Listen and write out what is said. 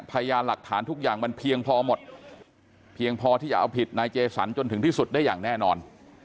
พยานหลักฐานทุกอย่างมันเพียงพอหมดเพียงพอที่จะเอาผิดนายเจสันจนถึงที่สุดได้อย่างแน่นอน